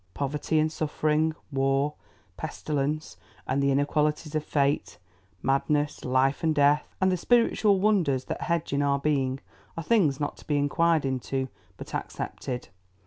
Poverty and suffering; war, pestilence, and the inequalities of fate; madness, life and death, and the spiritual wonders that hedge in our being, are things not to be inquired into but accepted.